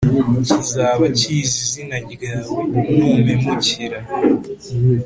kizaba kizi izina ryawe numpemukira